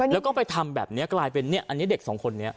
แล้วก็ไปทำแบบนี้กลายเป็นอันนี้เด็กสองคนนี้